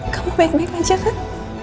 kamu baik baik aja kan